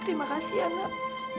terima kasih anak